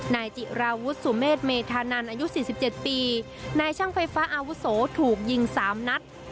นายจิราวุฒิสุเมษเมธานันอายุ๔๗ปีนายช่างไฟฟ้าอาวุโสถูกยิง๓นัด